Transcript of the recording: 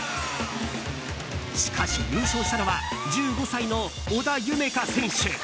しかし、優勝したのは１５歳の織田夢海選手。